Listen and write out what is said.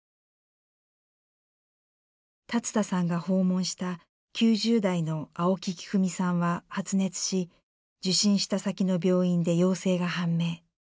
龍田さんが訪問した９０代の青木喜久美さんは発熱し受診した先の病院で陽性が判明。